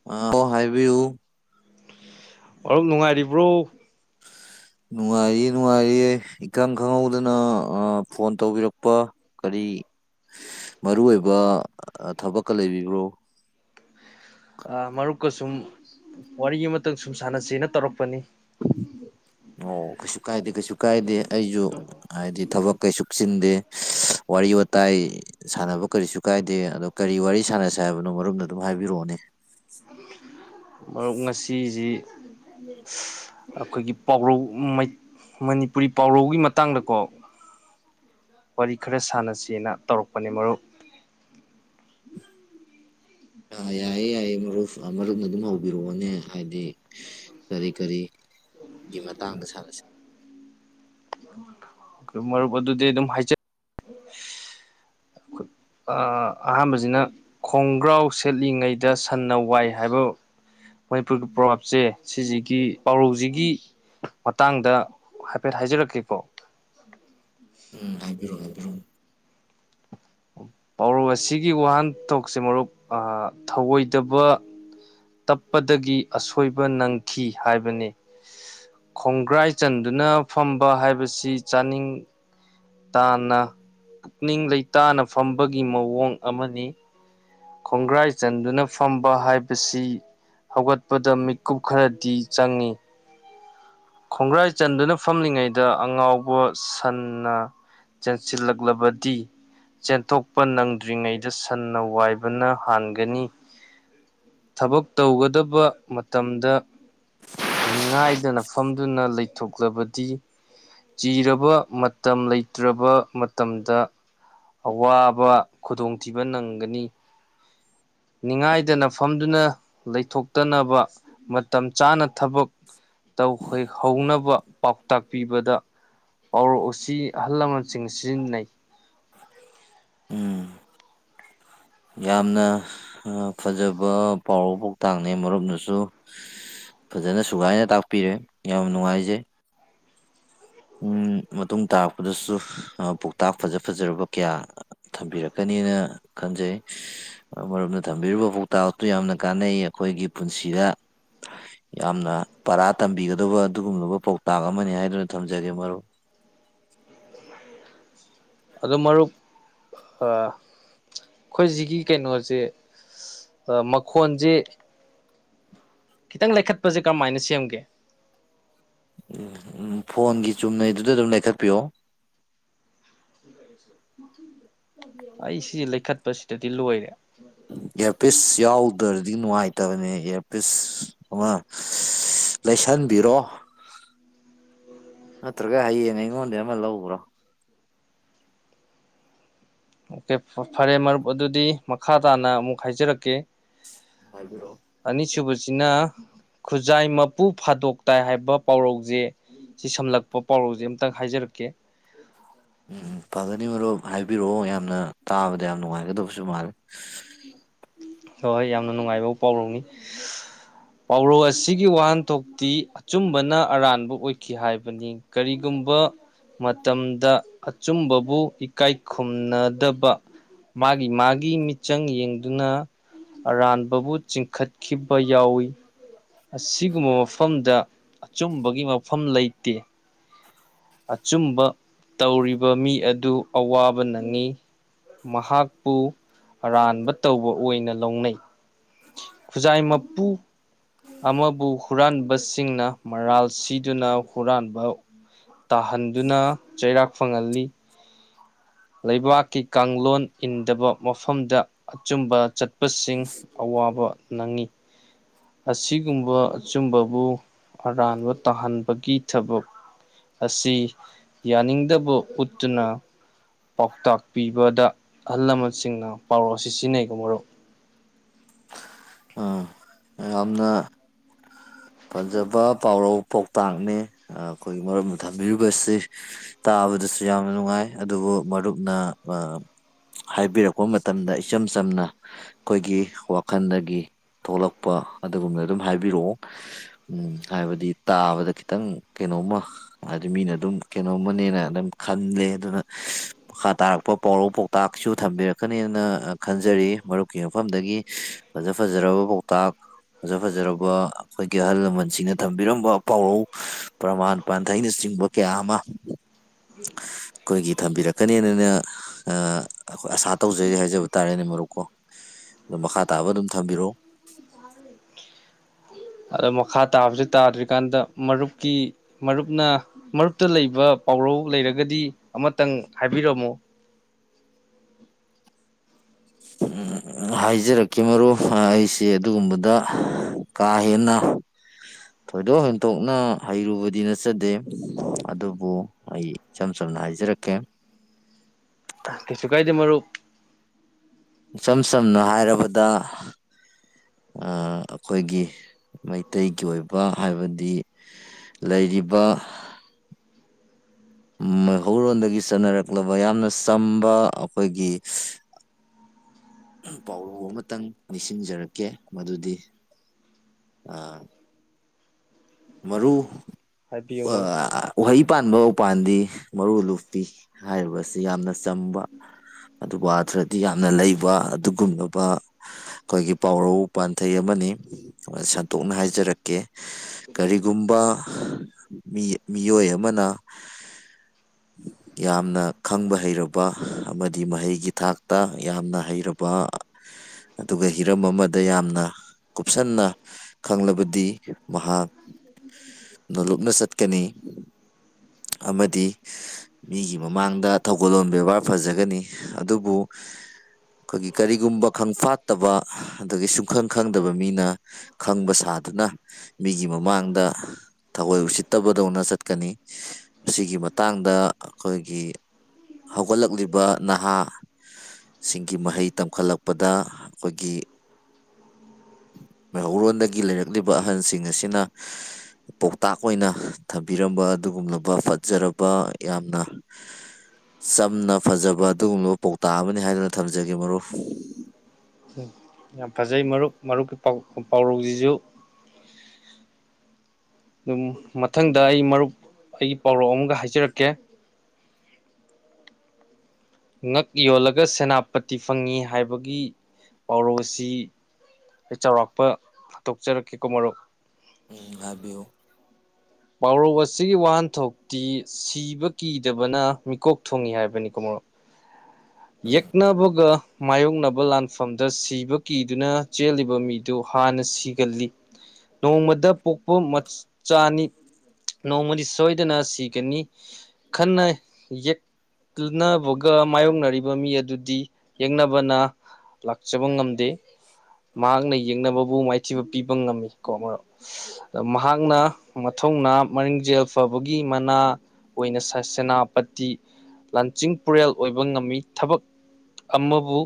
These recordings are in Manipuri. [unintelligible] ꯍꯥꯏꯕꯤꯌꯨ ꯃꯔꯨꯞ ꯅꯨꯡꯉꯥꯏꯔꯤꯕ꯭ꯔꯣ ꯅꯨꯡꯉꯥꯏꯔꯤꯌꯦ ꯅꯨꯡꯉꯥꯏꯔꯤꯌꯦ ꯏꯈꯪ ꯈꯪꯍꯧꯗꯅ ꯑ ꯐꯣꯟ ꯇꯧꯕꯤꯔꯛꯄ ꯀꯔꯤ ꯃꯔꯨ ꯑꯣꯏꯕ ꯑ ꯊꯕꯛꯀ ꯂꯩꯕꯤꯕ꯭ꯔꯣ ꯑ ꯃꯔꯨꯞꯀ ꯁꯨꯝ ꯋꯥꯔꯤ ꯑꯃꯇꯪ ꯁꯨꯝ ꯁꯥꯟꯅꯁꯦꯅ ꯇꯧꯔꯛꯄꯅꯤ ꯑꯣ ꯀꯩꯁꯨ ꯀꯥꯏꯗꯦ ꯀꯩꯁꯨ ꯀꯥꯏꯗꯦ ꯑꯩꯖꯨ ꯍꯥꯏꯗꯤ ꯊꯕꯛ ꯀꯩꯁꯨꯛ ꯆꯤꯟꯗꯦ ꯋꯥꯔꯤ ꯋꯥꯇꯥꯏ ꯁꯥꯟꯅꯕ ꯀꯔꯤꯁꯨ ꯀꯥꯏꯗꯦ ꯑꯗꯣ ꯀꯔꯤ ꯋꯥꯔꯤ ꯁꯥꯟꯅꯁꯦ ꯍꯥꯏꯕꯅꯣ ꯃꯔꯨꯞꯅ ꯑꯗꯨꯝ ꯍꯥꯏꯕꯤꯔꯛꯑꯣꯅꯦ ꯃꯔꯨꯞ ꯉꯁꯤꯖꯨ ꯑꯩꯈꯣꯏꯒꯤ ꯄꯥꯎꯔꯧ ꯃꯩꯠ ꯃꯅꯤꯄꯨꯔꯤ ꯄꯥꯎꯔꯧꯒꯤ ꯃꯇꯥꯡꯗꯀꯣ ꯋꯥꯔꯤ ꯈꯔ ꯁꯥꯟꯅꯁꯦꯅ ꯇꯧꯔꯛꯄꯅꯦ ꯃꯔꯨꯞ ꯑ ꯌꯥꯏꯌꯦ ꯌꯥꯏꯌꯦ ꯃꯔꯨꯞ ꯃꯔꯨꯞꯅ ꯑꯗꯨꯝ ꯍꯧꯕꯤꯔꯛꯑꯣꯅꯦ ꯍꯥꯏꯗꯤ ꯀꯔꯤ ꯀꯔꯤꯒꯤ ꯃꯇꯥꯡꯗ ꯁꯥꯟꯅꯁꯤ [unintelligible] ꯃꯔꯨꯞ ꯑꯗꯨꯗꯤ ꯑꯗꯨꯝ ꯍꯥꯏꯖ ꯑ ꯑꯍꯥꯝꯕꯖꯤꯅ ꯈꯣꯡꯒ꯭ꯔꯥꯎ ꯁꯦꯠꯂꯤꯉꯩꯗ ꯁꯟꯅ ꯋꯥꯏ ꯍꯥꯏꯕ ꯃꯅꯤꯄꯨꯔꯒꯤ ꯄ꯭ꯔꯣꯚꯥꯞꯁꯦ ꯁꯤꯖꯤꯒꯤ ꯄꯥꯎꯔꯧꯖꯤꯒꯤ ꯃꯇꯥꯡꯗ ꯍꯥꯏꯐꯦꯠ ꯍꯥꯏꯖꯔꯛꯀꯦꯀꯣ ꯎꯝ ꯍꯥꯏꯕꯤꯔꯣ ꯍꯥꯏꯕꯤꯔꯣ ꯄꯥꯎꯔꯧ ꯑꯁꯤꯒꯤ ꯋꯥꯍꯟꯊꯣꯛꯁꯦ ꯃꯔꯨꯞ ꯑ ꯊꯧꯑꯣꯏꯗꯕ ꯇꯞꯄꯗꯒꯤ ꯑꯁꯣꯏꯕ ꯅꯪꯈꯤ ꯍꯥꯏꯕꯅꯤ ꯈꯣꯡꯒ꯭ꯔꯥꯏ ꯆꯟꯗꯨꯅ ꯐꯝꯕ ꯍꯥꯏꯕꯁꯤ ꯆꯥꯅꯤꯡ ꯇꯥꯅ ꯄꯨꯛꯅꯤꯡ ꯂꯩꯇꯥꯅ ꯐꯝꯕꯒꯤ ꯃꯑꯣꯡ ꯑꯃꯅꯤ ꯈꯣꯡꯒ꯭ꯔꯥꯏ ꯆꯟꯗꯨꯅ ꯐꯝꯕ ꯍꯥꯏꯕꯁꯤ ꯍꯧꯒꯠꯄꯗ ꯃꯤꯠꯀꯨꯞ ꯈꯔꯗꯤ ꯆꯪꯏ ꯈꯣꯡꯒ꯭ꯔꯥꯏ ꯆꯟꯗꯨꯅ ꯐꯝꯂꯤꯉꯩꯗ ꯑꯉꯥꯎꯕ ꯁꯟꯅ ꯆꯦꯟꯁꯤꯜꯂꯛꯂꯕꯗꯤ ꯆꯦꯟꯊꯣꯛꯄ ꯅꯪꯗ꯭ꯔꯤꯉꯩꯗ ꯁꯟꯅ ꯋꯥꯏꯕꯅ ꯍꯥꯟꯒꯅꯤ ꯊꯕꯛ ꯇꯧꯒꯗꯕ ꯃꯇꯝꯗ ꯅꯤꯡꯉꯥꯏꯗꯅ ꯐꯝꯗꯨꯅ ꯂꯩꯊꯣꯛꯂꯕꯗꯤ ꯆꯤꯔꯕ ꯃꯇꯝ ꯂꯩꯇ꯭ꯔꯕ ꯃꯇꯝꯗ ꯑꯋꯥꯕ ꯈꯨꯗꯣꯡꯊꯤꯕ ꯅꯪꯒꯅꯤ ꯅꯤꯡꯉꯥꯏꯗꯅ ꯐꯝꯗꯨꯅ ꯂꯩꯊꯣꯛꯇꯅꯕ ꯃꯇꯝ ꯆꯥꯅ ꯊꯕꯛ ꯇꯧꯍꯣꯢ ꯍꯧꯅꯕ ꯄꯥꯎꯇꯥꯛ ꯄꯤꯕꯗ ꯄꯥꯎꯔꯧ ꯑꯁꯤ ꯑꯍꯜ ꯂꯃꯟꯁꯤꯡ ꯁꯤꯖꯤꯟꯅꯩ ꯎꯝ ꯌꯥꯝꯅ ꯑ ꯐꯖꯕ ꯄꯥꯎꯔꯧ ꯄꯥꯎꯇꯥꯛꯅꯦ ꯃꯔꯨꯝꯅꯁꯨ ꯐꯖꯅ ꯁꯨꯒꯥꯏꯅ ꯇꯥꯛꯄꯤꯔꯦ ꯌꯥꯝ ꯅꯨꯡꯉꯥꯏꯖꯩ ꯎꯝ ꯃꯇꯨꯡ ꯇꯥꯔꯛꯄꯗꯁꯨ ꯑ ꯄꯧꯇꯥꯛ ꯐꯖ ꯐꯖꯔꯕ ꯀꯌꯥ ꯊꯝꯕꯤꯔꯛꯀꯅꯤꯅ ꯈꯟꯖꯩ ꯑ ꯃꯔꯨꯞꯅ ꯊꯝꯕꯤꯔꯤꯕ ꯄꯥꯎꯇꯥꯛ ꯑꯗꯨꯨ ꯌꯥꯝꯅ ꯀꯥꯟꯅꯩ ꯑꯩꯈꯣꯏꯒꯤ ꯄꯨꯟꯁꯤꯗ ꯌꯥꯝꯅ ꯄꯔꯥ ꯇꯝꯕꯤꯒꯗꯕ ꯑꯗꯨꯒꯨꯝꯂꯕ ꯄꯥꯎꯇꯥꯛ ꯑꯃꯅꯤ ꯍꯥꯏꯗꯨꯅ ꯊꯝꯖꯒꯦ ꯃꯔꯨꯞ ꯑꯗꯨ ꯃꯔꯨꯞ ꯑ ꯑꯩꯈꯣꯏ ꯁꯤꯒꯤ ꯀꯩꯅꯣꯁꯦ ꯑ ꯃꯈꯣꯟꯁꯦ ꯈꯤꯇꯪ ꯂꯩꯈꯠꯄꯁꯦ ꯀꯔꯝꯃꯥꯏꯅ ꯁꯦꯝꯒꯦ ꯎꯝ ꯐꯣꯟꯒꯤ ꯆꯨꯝꯅꯩꯗꯨꯗ ꯑꯗꯨꯝ ꯂꯩꯈꯠꯄꯤꯌꯣ ꯃꯊꯪ [unintelligible] ꯑꯩ ꯁꯤ ꯂꯩꯈꯠꯄꯁꯤꯗꯗꯤ ꯂꯣꯏꯔꯦ ꯏꯌꯥꯔꯄꯤꯁ ꯌꯥꯎꯗ꯭ꯔꯗꯤ ꯅꯨꯡꯉꯥꯏꯇꯕꯅꯦ ꯏꯌꯔꯄꯤꯁ ꯑꯃꯥ [unintelligible] ꯂꯩꯁꯟꯕꯤꯔꯣ ꯅꯠꯇ꯭ꯔꯒ ꯍꯌꯦꯡ ꯑꯩꯉꯣꯟꯗ ꯑꯃ ꯂꯧꯒ꯭ꯔꯣ ꯐꯔꯦ ꯃꯔꯨꯞ ꯑꯗꯨꯗꯤ ꯃꯈꯥ ꯇꯥꯅ ꯑꯃꯨꯛ ꯍꯥꯏꯖꯔꯛꯀꯦ ꯍꯥꯏꯕꯤꯔꯛꯑꯣ ꯑꯅꯤꯁꯨꯕꯁꯤꯅ ꯈꯨꯖꯥꯏ ꯃꯄꯨ ꯐꯥꯗꯣꯛꯇꯥꯏ ꯍꯥꯏꯕ ꯄꯥꯎꯔꯧꯁꯦ ꯁꯤ ꯁꯝꯂꯛꯄ ꯄꯥꯎꯔꯧꯁꯦ ꯑꯃꯝꯇꯪ ꯍꯥꯏꯖꯔꯛꯀꯦ ꯎꯝ ꯐꯒꯅꯤ ꯃꯔꯨꯞ ꯍꯥꯏꯕꯤꯔꯛꯑꯣ ꯌꯥꯝꯅ ꯇꯥꯕꯗ ꯌꯥꯝ ꯅꯨꯡꯉꯥꯏꯒꯗꯕꯁꯨ ꯃꯥꯜꯂꯦ [unintelligible] ꯍꯣꯏ ꯑꯩ ꯌꯥꯝꯅ ꯅꯨꯡꯉꯥꯏꯕ ꯄꯥꯎꯔꯧꯅꯤ ꯄꯥꯎꯔꯧ ꯑꯁꯤꯒꯤ ꯋꯥꯍꯟꯊꯣꯛꯇꯤ ꯑꯆꯨꯝꯕꯅ ꯑꯔꯥꯟꯕ ꯑꯣꯏꯈꯤ ꯍꯥꯏꯕꯅꯤ ꯀꯔꯤꯒꯨꯝꯕ ꯃꯇꯝꯗ ꯑꯆꯨꯝꯕꯕꯨ ꯏꯀꯥꯏ ꯈꯨꯝꯅꯗꯕ ꯃꯥꯒꯤ-ꯃꯥꯒꯤ ꯃꯤꯠꯆꯪ ꯌꯦꯡꯗꯨꯅ ꯑꯔꯥꯟꯕꯕꯨ ꯆꯤꯡꯈꯠꯈꯤꯕ ꯌꯥꯎꯏ ꯑꯁꯤꯒꯨꯝꯕ ꯃꯐꯝꯗ ꯑꯆꯨꯝꯕꯒꯤ ꯃꯐꯝ ꯂꯩꯇꯦ ꯑꯆꯨꯝꯕ ꯇꯧꯔꯤꯕ ꯃꯤ ꯑꯗꯨ ꯑꯋꯥꯕ ꯅꯪꯉꯤ ꯃꯍꯥꯛꯄꯨ ꯑꯔꯥꯟꯕ ꯇꯧꯕ ꯑꯣꯏꯅ ꯂꯧꯅꯩ ꯈꯨꯖꯥꯏ ꯃꯄꯨ ꯑꯃꯕꯨ ꯍꯨꯔꯥꯟꯕꯁꯤꯡꯅ ꯃꯔꯥꯜ ꯁꯤꯗꯨꯅ ꯍꯨꯔꯥꯟꯕ ꯇꯥꯍꯟꯗꯨꯅ ꯆꯩꯔꯥꯛ ꯐꯪꯍꯜꯂꯤ ꯂꯩꯕꯥꯛꯀꯤ ꯀꯥꯡꯂꯣꯟ ꯏꯟꯗꯕ ꯃꯐꯝꯗ ꯑꯆꯨꯝꯕ ꯆꯠꯄꯁꯤꯡ ꯑꯋꯥꯕ ꯅꯪꯉꯤ ꯑꯁꯤꯒꯨꯝꯕ ꯑꯆꯨꯝꯕꯕꯨ ꯑꯔꯥꯟꯕ ꯇꯥꯍꯟꯕꯒꯤ ꯊꯕꯛ ꯑꯁꯤ ꯌꯥꯅꯤꯡꯗꯕ ꯎꯠꯇꯨꯅ ꯄꯥꯎꯇꯥꯛ ꯄꯤꯕꯗ ꯑꯍꯜ ꯂꯃꯟꯁꯤꯡꯅ ꯄꯥꯎꯔꯧ ꯑꯁꯤ ꯁꯤꯖꯤꯟꯅꯩꯀꯣ ꯃꯔꯨꯞ ꯑꯥ ꯌꯥꯝꯅ ꯐꯖꯕ ꯄꯥꯎꯔꯧ ꯄꯥꯎꯇꯥꯛꯅꯤ ꯑ ꯑꯩꯈꯣꯏꯒꯤ ꯃꯔꯨꯞꯅ ꯊꯝꯕꯤꯔꯤꯕꯁꯤ ꯇꯥꯕꯗꯁꯨ ꯌꯥꯝꯅ ꯅꯨꯡꯉꯥꯏ ꯑꯗꯨꯕꯨ ꯃꯔꯨꯞꯅ ꯑ ꯍꯥꯏꯕꯤꯔꯛꯄ ꯃꯇꯝꯗ ꯏꯆꯝ ꯆꯝꯅ ꯑꯩꯈꯣꯏꯒꯤ ꯋꯥꯈꯜꯗꯒꯤ ꯊꯣꯛꯂꯛꯄ ꯑꯗꯨꯒꯨꯝꯅ ꯑꯗꯨꯝ ꯍꯥꯏꯕꯤꯔꯛꯑꯣ ꯎꯝ ꯍꯥꯏꯕꯗꯤ ꯇꯥꯕꯗ ꯈꯤꯇꯪ ꯀꯩꯅꯣꯝꯃ ꯍꯥꯏꯗꯤ ꯃꯤꯅ ꯑꯗꯨꯝ ꯀꯩꯅꯣꯝꯃꯅꯦꯅ ꯑꯗꯨꯝ ꯈꯜꯂꯦ ꯑꯗꯨꯅ ꯃꯈꯥ ꯇꯥꯔꯛꯄ ꯄꯥꯎꯔꯧ ꯄꯥꯎꯇꯥꯛꯁꯨ ꯊꯝꯕꯤꯔꯛꯀꯅꯤꯅ ꯈꯟꯖꯔꯤ ꯃꯔꯨꯞꯀꯤ ꯃꯐꯝꯗꯒꯤ ꯐꯖ ꯐꯖꯔꯕ ꯄꯥꯎꯇꯥꯛ ꯐꯖ ꯐꯖꯔꯕ ꯑꯩꯈꯣꯏꯒꯤ ꯑꯍꯜ ꯂꯃꯟꯁꯤꯡꯅ ꯊꯝꯕꯤꯔꯝꯕ ꯄꯥꯎꯔꯧ ꯄ꯭ꯔꯃꯥꯟ ꯄꯥꯟꯊꯩꯅ ꯆꯤꯡꯕ ꯀꯌꯥ ꯑꯃ ꯎꯝ ꯑꯩꯈꯣꯏꯒꯤ ꯊꯝꯕꯤꯔꯛꯀꯅꯦꯅꯅ ꯑꯥ ꯑꯩꯈꯣꯏ ꯑꯁꯥ ꯇꯧꯖꯔꯤ ꯍꯥꯏꯖꯕ ꯇꯥꯔꯦꯅꯦ ꯃꯔꯨꯞꯀꯣ ꯑꯣ ꯃꯈꯥ ꯇꯥꯕ ꯑꯗꯨꯝ ꯊꯝꯕꯤꯔꯛꯑꯣ ꯑꯗꯣ ꯃꯈꯥ ꯇꯥꯕꯁꯦ ꯇꯥꯗ꯭ꯔꯤꯀꯥꯟꯗ ꯃꯔꯨꯞꯀꯤ ꯃꯔꯨꯞꯅ ꯃꯔꯨꯞꯇ ꯂꯩꯕ ꯄꯥꯎꯔꯧ ꯂꯩꯔꯒꯗꯤ ꯑꯃꯇꯪ ꯍꯥꯏꯕꯤꯔꯝꯃꯣ ꯍꯥꯏꯖꯔꯛꯀꯦ ꯃꯔꯨꯞ ꯑꯩꯁꯦ ꯑꯗꯨꯒꯨꯝꯕꯗ ꯀꯥꯏꯍꯦꯅ ꯊꯣꯏꯗꯣꯛ ꯍꯦꯟꯗꯣꯛꯅ ꯍꯩꯔꯨꯕꯗꯤ ꯅꯠꯆꯗꯦ ꯑꯗꯨꯕꯨ ꯑꯩ ꯏꯆꯝ ꯆꯝꯅ ꯍꯥꯏꯖꯔꯛꯀꯦ ꯀꯩꯁꯨ ꯀꯥꯏꯗ‌ꯦ ꯃꯥꯂꯨ ꯏꯆꯝ ꯆꯝꯅ ꯍꯥꯏꯔꯕꯗ ꯑꯩꯈꯣꯏꯒꯤ ꯃꯩꯇꯩꯒꯤ ꯑꯣꯏꯕ ꯍꯥꯏꯕꯗꯤ ꯂꯩꯔꯤꯕ ꯃꯩꯍꯧꯔꯣꯟꯗꯒꯤ ꯆꯠꯅꯔꯛꯂꯕ ꯌꯥꯝꯅ ꯆꯝꯕ ꯑꯩꯈꯣꯏꯒꯤ ꯄꯥꯎꯂꯧ ꯑꯃꯇꯪ ꯅꯤꯡꯁꯤꯡꯖꯔꯛꯀꯦ ꯃꯗꯨꯗꯤ ꯑꯥ ꯃꯔꯨ ꯍꯥꯏꯕꯤꯌꯨ ꯃꯔꯨꯞ ꯎꯍꯩ ꯄꯥꯟꯕ ꯎꯄꯥꯟꯗꯤ ꯃꯔꯨ ꯂꯨꯞꯄꯤ ꯍꯥꯏꯔꯤꯕ ꯑꯁꯤ ꯌꯥꯝꯅ ꯆꯝꯕ ꯑꯗꯨꯒ ꯑꯊ꯭ꯔꯗꯤ ꯌꯥꯝꯅ ꯂꯩꯕ ꯑꯗꯨꯒꯨꯝꯂꯕ ꯑꯩꯈꯣꯏꯒꯤ ꯄꯥꯎꯔꯧ ꯄꯥꯟꯊꯩ ꯑꯃꯅꯤ ꯁꯟꯇꯣꯛꯅ ꯍꯥꯏꯖꯔꯛꯀꯦ ꯀꯔꯤꯒꯨꯝꯕ ꯃꯤꯑꯣꯏ ꯑꯃꯅ ꯌꯥꯝꯅ ꯈꯪꯕ ꯍꯩꯔꯕ ꯑꯃꯗꯤ ꯃꯍꯩꯒꯤ ꯊꯥꯛꯇ ꯌꯥꯝꯅ ꯍꯩꯔꯕ ꯑꯗꯨꯒ ꯍꯤꯔꯝ ꯑꯃꯗ ꯌꯥꯝꯅ ꯀꯨꯞꯁꯟꯅ ꯈꯪꯂꯕꯗꯤ ꯃꯍꯥꯛ ꯅꯣꯂꯨꯞꯅ ꯆꯠꯀꯅꯤ ꯑꯃꯗꯤ ꯃꯤꯒꯤ ꯃꯃꯥꯡꯗ ꯊꯧꯒꯜꯂꯣꯟ ꯕꯦꯕꯥꯔ ꯐꯖꯒꯅꯤ ꯑꯗꯨꯕꯨ ꯑꯩꯈꯣꯏꯒꯤ ꯀꯔꯤꯒꯨꯝꯕ ꯈꯪ ꯐꯥꯠꯇꯕ ꯑꯗꯒꯤ ꯁꯨꯡꯈꯪ ꯈꯪꯗꯕ ꯃꯤꯅ ꯈꯪꯕ ꯁꯥꯗꯨꯅ ꯃꯤꯒꯤ ꯃꯃꯥꯡꯗ ꯊꯒꯣꯏ ꯎꯁꯤꯠꯇꯕꯗꯧꯅ ꯆꯠꯀꯅꯤ ꯃꯁꯤꯒꯤ ꯃꯇꯥꯡꯗ ꯑꯩꯈꯣꯏꯒꯤ ꯍꯧꯒꯠꯂꯛꯂꯤꯕ ꯅꯍꯥ ꯁꯤꯡꯒꯤ ꯃꯍꯩ ꯇꯝꯈꯠꯂꯛꯄꯗ ꯑꯩꯈꯣꯏꯒꯤ ꯃꯩꯍꯧꯔꯣꯟꯜꯗꯒꯤ ꯂꯩꯔꯛꯂꯤꯕ ꯑꯍꯜꯁꯤꯡ ꯑꯁꯤꯅ ꯄꯥꯎꯇꯥꯛ ꯑꯣꯏꯅ ꯊꯝꯕꯤꯔꯝꯕ ꯑꯗꯨꯒꯨꯝꯂꯕ ꯐꯖꯔꯕ ꯌꯥꯝꯅ ꯆꯝꯅ ꯐꯖꯕ ꯑꯗꯨꯒꯨꯝꯂꯕ ꯄꯥꯎꯇꯥꯛ ꯑꯃꯅꯤ ꯍꯥꯏꯗꯨꯅ ꯊꯝꯖꯒꯦ ꯃꯔꯨꯞ ꯎꯝ ꯌꯥꯝ ꯐꯖꯩ ꯃꯔꯨꯞ ꯃꯔꯨꯞꯀꯤꯥꯎ ꯄꯥꯎꯔꯧꯁꯤꯁꯨ ꯑꯗꯨꯝ ꯃꯊꯪꯗ ꯑꯩ ꯃꯔꯨꯞ ꯑꯩꯒꯤ ꯄꯥꯎꯔꯧ ꯑꯃꯒ ꯍꯥꯏꯖꯔꯛꯀꯦ ꯉꯛ ꯌꯣꯜꯂꯒ ꯁꯦꯅꯥꯄꯇꯤ ꯐꯪꯉꯤ ꯍꯥꯏꯕꯒꯤ ꯄꯥꯎꯔꯧ ꯑꯁꯤ ꯑꯩ ꯆꯥꯎꯔꯥꯛꯄ ꯍꯥꯗꯣꯛꯆꯔꯛꯀꯦꯀꯣ ꯃꯥꯔꯨꯛ ꯎꯝ ꯍꯥꯏꯕꯤꯌ ꯄꯥꯎꯔꯧ ꯑꯁꯤꯒꯤ ꯋꯥꯍꯟꯊꯣꯛꯇꯤ ꯁꯤꯕ ꯀꯤꯗꯕꯅ ꯃꯤꯀꯣꯛ ꯊꯣꯡꯏꯤ ꯍꯥꯏꯕꯅꯤꯀꯣ ꯃꯥꯔꯨ [unintelligible] ꯌꯦꯛꯅꯕꯨꯒ ꯃꯥꯌꯣꯛꯅꯕ ꯂꯥꯟꯐꯝꯗ ꯁꯤꯕ ꯀꯤꯗꯨꯅ ꯆꯦꯜꯂꯤꯕ ꯃꯤꯗꯨ ꯍꯥꯟꯅ ꯁꯤꯒꯜꯂꯤ ꯅꯣꯡꯃꯗ ꯄꯣꯛꯄ ꯃꯆꯥꯅꯤ ꯅꯣꯡꯃꯗꯤ ꯁꯣꯏꯗꯅ ꯁꯤꯒꯅꯤ ꯈꯟꯅ ꯌꯦ ꯇꯅꯕꯒ ꯃꯥꯌꯣꯛꯅꯔꯤꯕ ꯃꯤ ꯑꯗꯨꯗꯤ ꯌꯦꯡꯅꯕꯅ ꯂꯥꯛꯆꯕ ꯉꯝꯗꯦ ꯃꯍꯥꯛꯅ ꯌꯦꯡꯅꯕꯕꯨ ꯃꯥꯏꯊꯤꯕ ꯄꯤꯕ ꯉꯝꯃꯤ ꯀꯣ ꯃꯍꯥꯛꯅ ꯃꯊꯧꯅꯥ ꯃꯔꯤꯡꯖꯦꯜ ꯐꯕꯒꯤ ꯃꯅꯥ ꯑꯣꯏꯅ ꯁꯦꯅꯥꯄꯇꯤ ꯂꯥꯟꯆꯤꯡ ꯄꯨꯔꯦꯜ ꯑꯣꯏꯕ ꯉꯝꯃꯤ ꯊꯕꯛ ꯑꯃꯕꯨ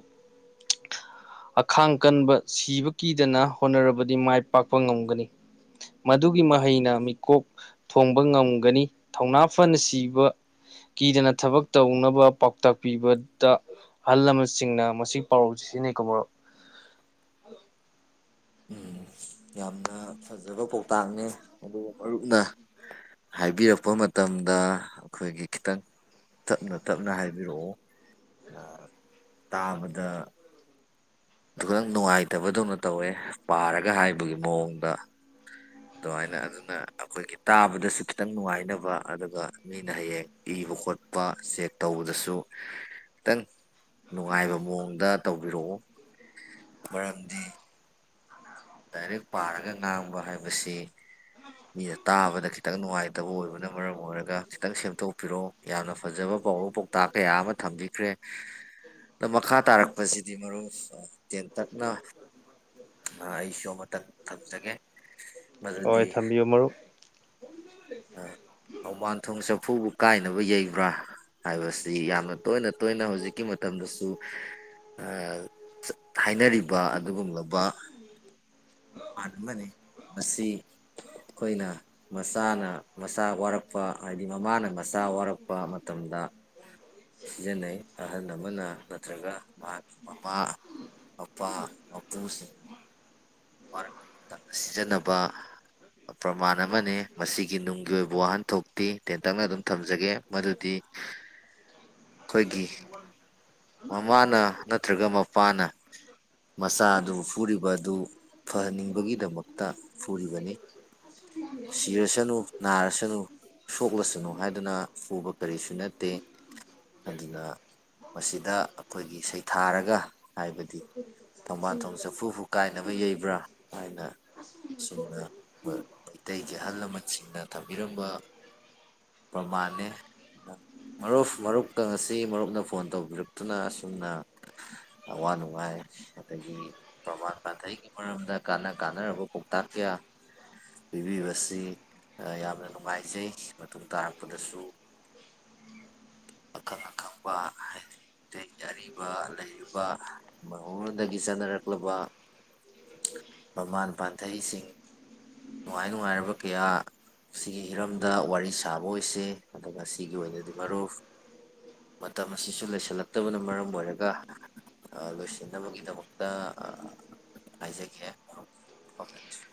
ꯑꯈꯥꯡ ꯀꯟꯕ ꯁꯤꯕ ꯀꯤꯗꯅ ꯍꯣꯠꯅꯔꯕꯗꯤ ꯃꯥꯏ ꯄꯥꯛꯄ ꯉꯝꯒꯅꯤ ꯃꯗꯨꯒꯤ ꯃꯍꯩꯅ ꯃꯤꯀꯣꯛ ꯊꯣꯡꯕ ꯉꯝꯒꯅꯤ ꯊꯧꯅꯥ ꯐꯅ ꯁꯤꯕ ꯀꯤꯗꯅ ꯊꯕꯛ ꯇꯧꯅꯕ ꯄꯥꯎꯇꯥꯛ ꯄꯤꯕꯗ ꯑꯍꯜ ꯂꯃꯟꯁꯤꯡꯅ ꯃꯁꯤꯒꯤ ꯄꯥꯎꯔꯧꯁꯤ ꯁꯤꯖꯤꯟꯅꯩꯀꯣ ꯃꯔꯨꯞ ꯎꯝ ꯌꯥꯝꯅ ꯐꯖꯕ ꯄꯧꯇꯥꯛꯅꯦ ꯑꯗꯨ ꯃꯔꯨꯞꯅ ꯍꯥꯏꯕꯤꯔꯛꯄ ꯃꯇꯝꯗ ꯑꯈꯣꯏꯒꯤ ꯈꯤꯇꯪ ꯇꯞꯅ ꯇꯞꯅ ꯍꯥꯏꯕꯤꯔꯛꯑꯣ [unintelligible] ꯇꯥꯕꯗ ꯑꯗꯨꯈꯇꯪ ꯅꯨꯡꯉꯥꯏꯇꯕꯗꯧꯅ ꯇꯧꯋꯦ ꯄꯥꯔꯒ ꯍꯥꯏꯕꯒꯤ ꯃꯑꯣꯡꯗ ꯑꯗꯨꯃꯥꯏꯅ ꯑꯗꯨꯅ ꯑꯈꯣꯏꯒꯤ ꯇꯥꯕꯗꯁꯨ ꯈꯤꯇꯪ ꯅꯨꯡꯉꯥꯏꯅꯕ ꯑꯗꯨꯒ ꯃꯤꯅ ꯍꯌꯦꯡ ꯏꯕ ꯈꯣꯠꯄ ꯆꯦꯛ ꯇꯧꯕꯗꯁꯨ ꯈꯤꯇꯪ ꯅꯨꯡꯉꯥꯏꯕ ꯃꯑꯣꯡꯗ ꯇꯧꯕꯤꯔꯛꯑꯣ ꯃꯔꯝꯗꯤ ꯗꯥꯏꯔꯦꯛ ꯄꯥꯔꯒ ꯉꯥꯡꯕ ꯍꯥꯏꯕꯁꯤ ꯃꯤꯅ ꯇꯥꯕꯗ ꯈꯤꯇꯪ ꯅꯨꯡꯉꯥꯏꯇꯕ ꯑꯣꯏꯕꯅ ꯃꯔꯝ ꯑꯣꯏꯔꯒ ꯈꯤꯇꯪ ꯁꯦꯝꯇꯣꯛꯄꯤꯔꯛꯑꯣ ꯌꯥꯝꯅ ꯐꯖꯕ ꯄꯥꯎꯔꯧ ꯄꯥꯎꯇꯥꯛ ꯀꯌꯥ ꯑꯃ ꯊꯝꯕꯤꯈ꯭ꯔꯦ ꯑꯗ ꯃꯈꯥ ꯇꯥꯔꯛꯄꯁꯤꯗꯤ ꯃꯔꯨꯞ ꯑ ꯇꯦꯟꯇꯛꯅ ꯑ ꯑꯩꯁꯨ ꯑꯃꯇꯪ ꯊꯝꯖꯒꯦ ꯍꯣꯏ ꯃꯗꯨꯗꯤ ꯊꯝꯕꯤꯌꯨ ꯃꯔꯨꯞ ꯅꯣꯡꯕꯥꯟꯊꯣꯡ ꯆꯐꯨꯕꯨ ꯀꯥꯏꯅꯕ ꯌꯩꯕ꯭ꯔꯥ ꯍꯥꯏꯕꯁꯤ ꯌꯥꯝꯅ ꯇꯣꯏꯅ ꯇꯣꯏꯅ ꯍꯧꯖꯤꯛꯀꯤ ꯃꯇꯝꯗꯁꯨ ꯑꯥ ꯍꯥꯏꯅꯔꯤꯕ ꯑꯗꯨꯒꯨꯝꯂꯕ ꯃꯄꯥꯟ ꯑꯃꯅꯤ ꯃꯁꯤ ꯑꯩꯈꯣꯏꯅ ꯃꯆꯥꯅ ꯃꯆꯥ ꯋꯥꯔꯛꯄ ꯍꯥꯏꯗꯤ ꯃꯃꯥꯅ ꯃꯆꯥ ꯋꯥꯔꯛꯄ ꯃꯇꯝꯗ ꯁꯤꯖꯤꯟꯅꯩ ꯑꯍꯜ ꯑꯃꯅ ꯅꯠꯇ꯭ꯔꯒ ꯃꯍꯥꯛꯀꯤ ꯃꯄꯥꯥ ꯃꯄꯥ ꯃꯄꯨꯁꯤꯡ ꯋꯥꯔꯛꯄ ꯃꯇꯝꯗ ꯁꯤꯖꯤꯟꯅꯕ ꯄ꯭ꯔꯃꯥꯟ ꯑꯃꯅꯦ ꯃꯁꯤꯒꯤ ꯅꯨꯡꯒꯤ ꯑꯣꯏꯕ ꯋꯥꯍꯟꯊꯣꯛꯇꯤ ꯇꯦꯟꯇꯛꯅ ꯑꯗꯨꯝ ꯊꯝꯖꯒꯦ ꯃꯗꯨꯗꯤ ꯈꯣꯏꯒꯤ ꯃꯃꯥꯅ ꯅꯠꯇ꯭ꯔꯒ ꯃꯄꯥꯅ ꯃꯆꯥꯑꯗꯨꯕꯨ ꯐꯨꯔꯤꯕ ꯑꯗꯨ ꯐꯍꯟꯅꯤꯡꯕꯒꯤꯗꯃꯛꯇ ꯐꯨꯔꯤꯕꯅꯤ ꯁꯤꯔꯁꯅꯨ ꯅꯥꯔꯁꯅꯨ ꯁꯣꯛꯂꯁꯅꯨ ꯍꯥꯏꯗꯨꯅ ꯐꯨꯕ ꯀꯔꯤꯁꯨ ꯅꯠꯇꯦ ꯑꯗꯨꯅ ꯃꯁꯤꯗ ꯑꯈꯣꯏꯒꯤ ꯁꯩꯊꯥꯔꯒ ꯍꯥꯏꯕꯗꯤ ꯊꯣꯡꯕꯥꯥꯟ ꯊꯣꯡ ꯆꯐꯨꯕꯨ ꯀꯥꯏꯅꯕ ꯌꯩꯕ꯭ꯔꯥ ꯍꯥꯏꯅ ꯑꯁꯨꯝꯅ ꯃ ꯃꯩꯇꯩꯒꯤ ꯑꯍꯜ ꯂꯃꯟꯁꯤꯡꯅ ꯊꯝꯕꯤꯔꯝꯕ ꯄ꯭ꯔꯃꯥꯟꯅꯦ ꯃꯔꯨꯞ ꯃꯔꯨꯞꯀ ꯉꯁꯤ ꯃꯔꯨꯞꯅ ꯐꯣꯟ ꯇꯧ ꯕꯤꯔꯛꯇꯨꯅ ꯑꯁꯨꯝꯅ ꯑꯋꯥ ꯅꯨꯡꯉꯥꯏ ꯑꯗꯒꯤ ꯄ꯭ꯔꯃꯥꯟ ꯄꯥꯟꯊꯩꯒꯤ ꯃꯔꯝꯗ ꯀꯥꯟꯅ ꯀꯥꯟꯅꯔꯕ ꯄꯥꯎꯇꯥꯛ ꯀꯌꯥ ꯄꯤꯕꯤꯕꯁꯤ ꯌꯥꯝꯅ ꯅꯨꯡꯉꯥꯏꯖꯩ ꯃꯇꯨꯡ ꯇꯥꯔꯛꯄꯗꯁꯨ ꯑꯈꯪ ꯑꯈꯪꯕ ꯍꯥꯏꯗꯤ ꯃꯩꯇꯩꯒꯤ ꯑꯔꯤꯕ ꯂꯩꯔꯤꯕ ꯃꯩꯍꯧꯟꯔꯣꯟꯗꯒꯤ ꯆꯠꯅꯔꯛꯂꯕ ꯄ꯭ꯔꯃꯥꯟ ꯄꯥꯟꯊꯩꯁꯤꯡ ꯅꯨꯡꯉꯥꯏ ꯅꯨꯡꯉꯥꯏꯔꯕ ꯀꯌꯥ ꯁꯤꯒꯤ ꯍꯤꯔꯝꯗ ꯋꯥꯔꯤ ꯁꯥꯕ ꯑꯣꯏꯁꯦ ꯑꯗꯨ ꯉꯁꯤꯒꯤ ꯑꯣꯏꯅꯗꯤ ꯃꯔꯨꯞ ꯃꯇꯝ ꯑꯁꯤꯁꯨ ꯂꯣꯏꯁꯜꯂꯛ ꯇꯕꯅ ꯃꯔꯝ ꯑꯣꯏꯔꯒ ꯑ ꯂꯣꯏꯁꯤꯟꯅꯕꯒꯤꯗꯃꯛꯇ ꯑ ꯍꯥꯏꯖꯒꯦ [unintelligible]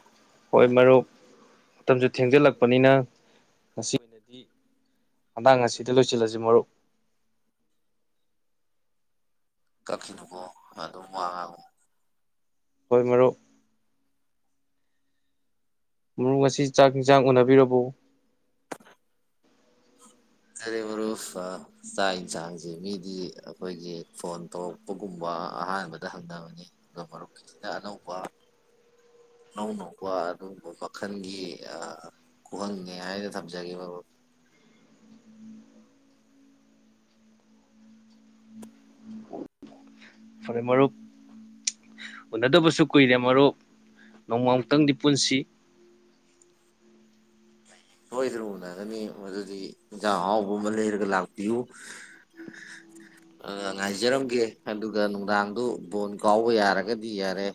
ꯍꯣꯏ ꯋꯥꯍꯩ ꯃꯔꯨꯞ ꯃꯇꯝꯖꯨ ꯊꯦꯡꯖꯜꯂꯛꯄꯅꯤꯅ ꯃꯇꯥꯡ ꯑꯁꯤꯗ ꯂꯣꯏꯁꯤꯜꯂꯁꯤ ꯃꯔꯨꯞ ꯀꯈꯤꯗꯨꯨꯀꯣ ꯑꯗꯨ ꯑꯗꯨꯝ ꯋꯥꯡꯉꯒ ꯍꯈꯣꯏ ꯃꯔꯨꯞ ꯃꯔꯨ ꯑꯁꯤ ꯆꯥꯛ ꯌꯦꯟꯁꯥꯡ ꯎꯅꯕꯤꯔꯕꯕꯨ ꯆꯦ ꯃꯔꯨꯞ ꯆꯥꯛ ꯌꯦꯟꯁꯥꯡꯁꯦ ꯃꯤꯗꯤ ꯑꯩꯈꯣꯏꯒꯤ ꯐꯣꯟ ꯊꯣꯛꯣꯛ ꯒꯨꯝꯕ ꯑꯍꯥꯟꯕꯗ ꯍꯪꯅꯕꯅꯤ ꯑꯗꯨꯒ ꯃꯔꯨꯞꯀꯤꯁꯤꯅ ꯑꯅꯧꯕ ꯑꯅꯧꯕ ꯑꯗꯨꯒꯨꯝꯕ ꯃꯈꯜꯒꯤ ꯈꯍꯪꯅꯦ ꯍꯥꯏꯅ ꯊꯝꯖꯒꯦ ꯐꯥꯔ‌ꯦ ꯃꯔꯨ ꯎꯅꯗꯕꯁꯨ ꯀꯨꯏꯔꯦ ꯃꯔꯨꯞ ꯅꯣꯡꯃꯃꯇꯪꯗꯤ ꯄꯨꯟꯁꯤ ꯁꯣꯏꯗꯅ ꯎꯅꯒꯅꯤ ꯃꯗꯨꯗꯤ ꯏꯟꯁꯥꯡ ꯑꯍꯥꯎꯕ ꯑꯃ ꯂꯩꯔꯒ ꯂꯥꯛꯄꯤꯌꯨ [inaudible] ꯑ ꯉꯥꯏꯖꯔꯝꯒꯦ ꯑꯗꯨꯒ ꯅꯨꯡꯗꯥꯡꯗꯨ ꯕꯣꯟ ꯀꯥꯎꯕ ꯌꯥꯔꯒꯗꯤ ꯌꯥꯔꯦ